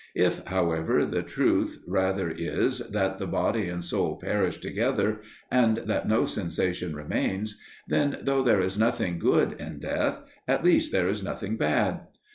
If, however, the truth rather is that the body and soul perish together, and that no sensation remains, then though there is nothing good in death, at least there is nothing bad.